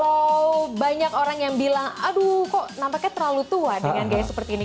kalau banyak orang yang bilang aduh kok nampaknya terlalu tua dengan gaya seperti ini